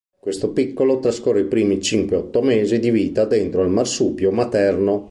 Questo piccolo trascorre i primi cinque-otto mesi di vita dentro al marsupio materno.